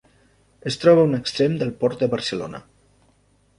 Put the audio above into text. Es troba a un extrem del Port de Barcelona.